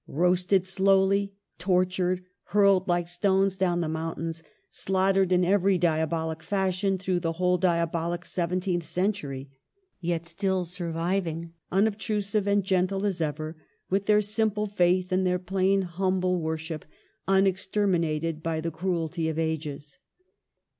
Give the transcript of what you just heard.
roasted slowly, tortured, hurled like stones down the moun tains, slaughtered in every diabolic fashion through the whole diabolic seventeenth cen tury ; yet still surviving, unobtrusive and gentle as ever, with their simple faith and their plain, humble worship, unexterminated by the cruelty of ages.